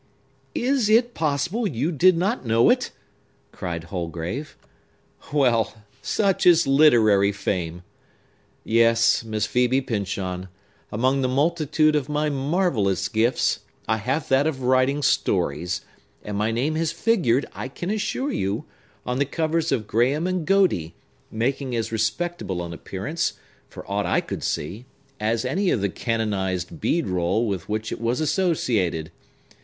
"Is it possible you did not know it?" cried Holgrave. "Well, such is literary fame! Yes. Miss Phœbe Pyncheon, among the multitude of my marvellous gifts I have that of writing stories; and my name has figured, I can assure you, on the covers of Graham and Godey, making as respectable an appearance, for aught I could see, as any of the canonized bead roll with which it was associated.